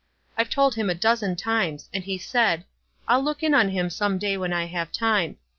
I've told him a dozen times, and he said, 'I'll look in on him some day when I have time.'